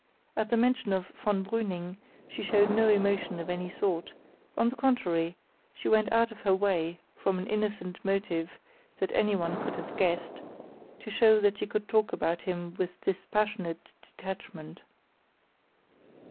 At the mention of von Brüning she showed no emotion of any sort; on the contrary, she went out of her way, from an innocent motive that anyone could have guessed, to show that she could talk about him with dispassionate detachment.